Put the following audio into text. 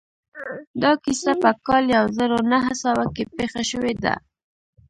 دا کيسه په کال يو زر و نهه سوه کې پېښه شوې ده.